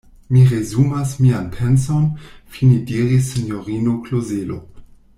Mi resumas mian penson, fine diris sinjorino Klozelo.